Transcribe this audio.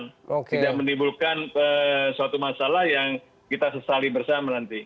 tidak menimbulkan suatu masalah yang kita sesali bersama nanti